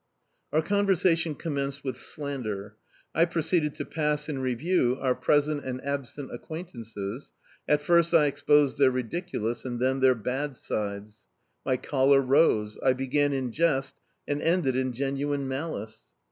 Our conversation commenced with slander; I proceeded to pass in review our present and absent acquaintances; at first I exposed their ridiculous, and then their bad, sides. My choler rose. I began in jest, and ended in genuine malice.